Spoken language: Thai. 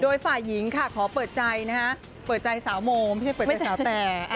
โดยฝ่ายหญิงค่ะขอเปิดใจนะฮะเปิดใจสาวโมไม่ใช่เปิดใจสาวแต่